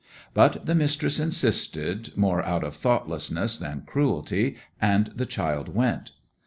But the mistress insisted, more out of thoughtlessness than cruelty, and the child went.